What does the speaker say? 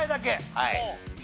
はい。